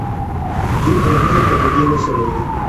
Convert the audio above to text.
دوی ټولنیزې پدیدې وڅېړلې.